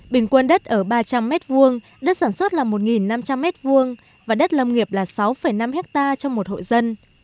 bình quân đất ở ba trăm linh m hai đất sản xuất là một năm trăm linh m hai và đất lâm nghiệp là sáu năm hectare trong một hộ dân